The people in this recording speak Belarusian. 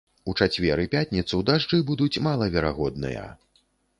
У чацвер і пятніцу дажджы будуць малаверагодныя.